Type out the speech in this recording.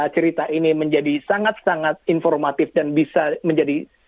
cerita ini menjadi sangat sangat informatif dan bisa menjadi